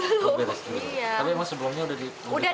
tapi emang sebelumnya udah dimudikan